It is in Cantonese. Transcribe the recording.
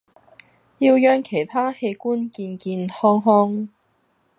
要讓其他器官健健康康